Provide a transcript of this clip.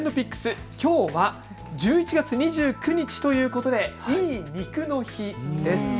きょうは１１月２９日ということでいい肉の日です。